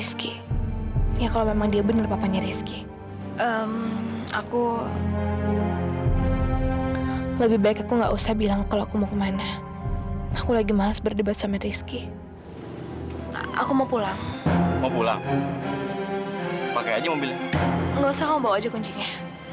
sampai jumpa di video selanjutnya